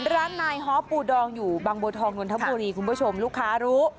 ร้านนายฮอปูดองอยู่บางโบทองนวลธังปูนีคุณผู้ชมลูกค้ารู้